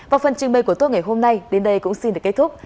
và phần trình bày của tôi ngày hôm nay đến đây cũng xin để kết thúc